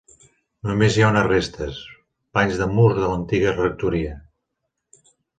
Només hi ha unes restes, panys de murs de l'antiga rectoria.